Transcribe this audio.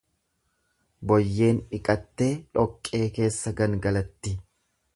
Boyyeen dhiqattee dhoqqee keessa gangalatti .